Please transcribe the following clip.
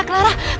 tante tante tante